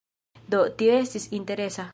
Do, tio estis interesa.